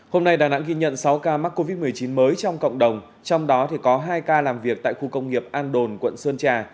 hôm nay đà nẵng ghi nhận sáu ca mắc covid một mươi chín mới trong cộng đồng trong đó có hai ca làm việc tại khu công nghiệp an đồn quận sơn trà